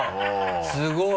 すごい。